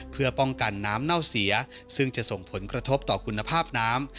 เพื่อป้องกันน้ำเน่าเสียซึ่งจะส่งผลกระทบต่อคุณภาพน้ำ